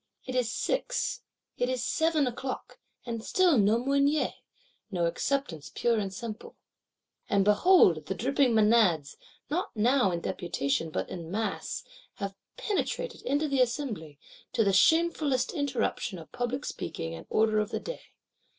It is six, it is seven o'clock; and still no Mounier, no Acceptance pure and simple. And, behold, the dripping Menads, not now in deputation but in mass, have penetrated into the Assembly: to the shamefullest interruption of public speaking and order of the day.